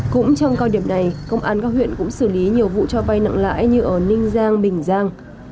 cũng trong cao điểm này công an các huyện cũng xử lý nhiều vụ cho vay nặng lãi như ở ninh giang bình giang